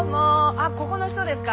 あここの人ですか？